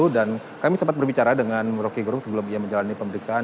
dan kami sempat berbicara dengan rocky gerung sebelum ia menjalani pemeriksaan